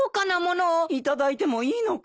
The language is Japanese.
頂いてもいいのかい？